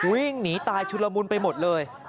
วิ่งหนีตายชุดละมุนไปหมดเลย